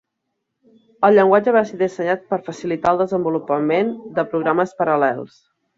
El llenguatge va ser dissenyat per "facilitar" el desenvolupament de programes paral·lels.